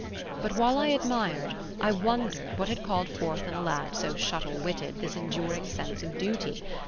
But while I admired, I wondered what had called forth in a lad so shuttle witted this enduring sense of duty.